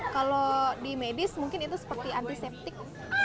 kalau di medis mungkin itu seperti antiseptik